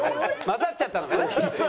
混ざっちゃったのかな？